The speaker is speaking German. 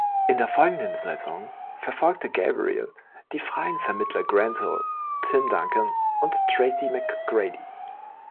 In der folgenden Saison verfolgte Gabriel die freien Vermittler Grant Hill, Tim Duncan, und Tracy McGrady.